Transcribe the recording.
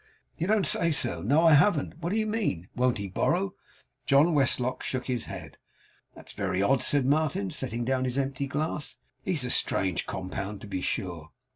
'You don't say so! No, I haven't. What do you mean? Won't he borrow?' John Westlock shook his head. 'That's very odd,' said Martin, setting down his empty glass. 'He's a strange compound, to be sure.